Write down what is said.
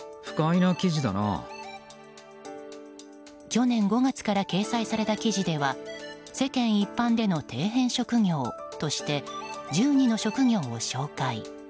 去年５月から掲載された記事では世間一般での底辺職業として１２の職業を紹介。